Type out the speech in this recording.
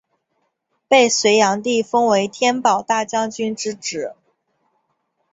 被隋炀帝封为天保大将军之职。